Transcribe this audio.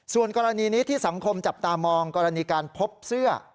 ส่วนกรณีนี้ที่สังคมจับตามองกรณีการพบเสื้อ